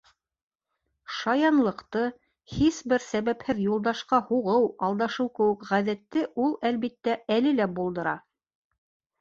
Шаянлыҡты, һис бер сәбәпһеҙ Юлдашҡа һуғыу, алдашыу кеүек ғәҙәтте ул, әлбиттә, әле лә булдыра.